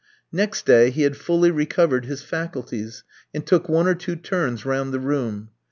Next day he had fully recovered his faculties, and took one or two turns round the room.